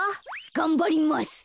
がんばります。